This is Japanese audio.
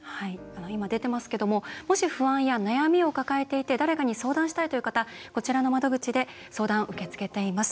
今、出てますけどももし不安や悩みを抱えていて誰かに相談したいという方こちらの窓口で相談、受け付けています。